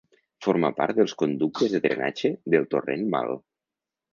Forma part dels conductes de drenatge del torrent Mal.